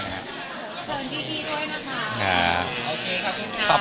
โอเคขอบคุณครับขอบคุณมากครับ